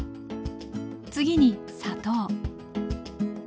次に砂糖。